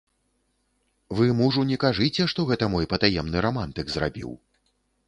Вы мужу не кажыце, што гэта мой патаемны рамантык зрабіў.